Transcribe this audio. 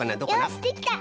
よしできた！